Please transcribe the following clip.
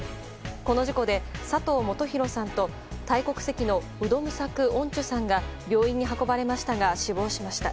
この事故で佐藤元洋さんとタイ国籍のウドムサク・オンチュさんが病院に運ばれましたが死亡しました。